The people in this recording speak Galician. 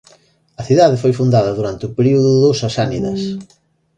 A cidade foi fundada durante o período dos sasánidas.